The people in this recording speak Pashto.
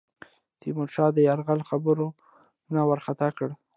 د تیمورشاه د یرغل خبرونو وارخطا کړه.